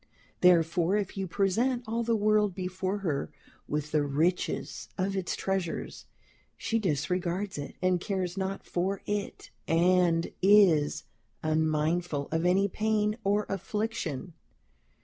Therefore, if you present all the world before her, with the richest of its treasures, she disregards it, and cares not for it, and is unmindful of any pain or affliction.